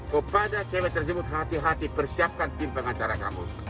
kepada cewek tersebut hati hati persiapkan tim pengacara kamu